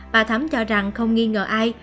bà thấm cho rằng không nghi ngờ ai